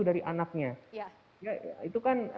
dari anaknya itu kan